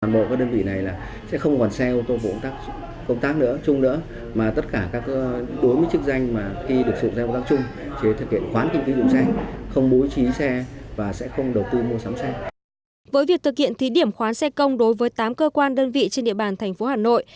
với việc thực hiện thí điểm khoán xe công đối với tám cơ quan đơn vị trên địa bàn thành phố hà nội